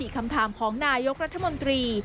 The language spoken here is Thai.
คำถามของนายกรัฐมนตรี